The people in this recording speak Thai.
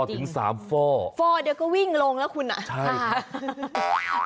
ไม่ต้องรอถึง๓ฟ่อ